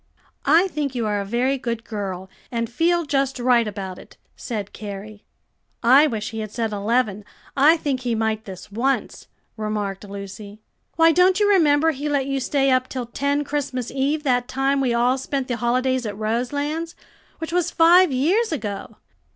"I think you are a very good girl, and feel just right about it," said Carrie. "I wish he had said eleven, I think he might this once," remarked Lucy. "Why, don't you remember he let you stay up till ten Christmas Eve that time we all spent the holidays at Roselands, which was five years ago?"